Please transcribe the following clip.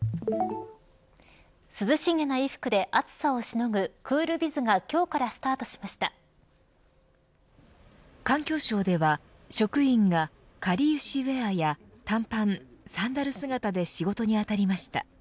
涼しげな衣服で暑さをしのぐクールビズが環境省では職員が、かりゆしウェアや短パン、サンダル姿で仕事に当たりました。